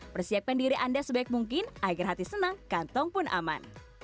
persiapkan diri anda sebaik mungkin agar hati senang kantong pun aman